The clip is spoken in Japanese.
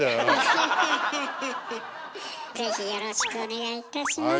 是非よろしくお願いいたします。